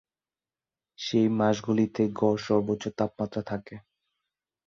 সেই মাসগুলিতে গড় সর্বোচ্চ তাপমাত্রা থাকে।